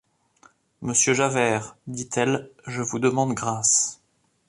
Monsieur Javert, dit-elle, je vous demande grâce.